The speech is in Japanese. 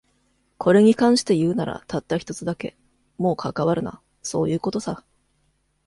これに関して言うなら、たった一つだけ。もう関わるな、そういう事さ。